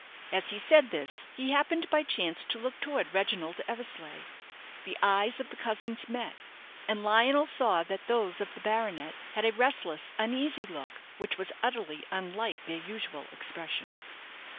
As he said this, he happened by chance to look towards Reginald Eversleigh. The eyes of the cousins met; and Lionel saw that those of the baronet had a restless, uneasy look, which was utterly unlike their usual expression.